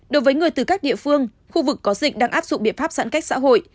đối với người từ các địa phương khu vực có dịch đang áp dụng biện pháp giãn cách xã hội